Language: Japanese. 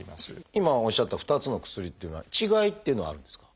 今おっしゃった２つの薬っていうのは違いっていうのはあるんですか？